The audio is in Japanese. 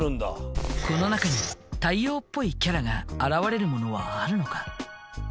この中に太陽っぽいキャラが現れるものはあるのか？